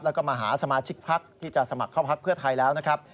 แล้วก็มาหาสมาชิกพักที่จะสมัครเข้าพักเพื่อไทยแล้วนะครับ